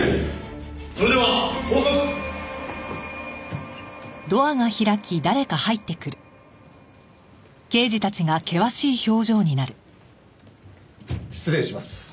「それでは報告」失礼します。